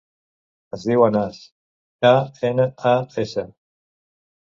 Es diu Anas: a, ena, a, essa.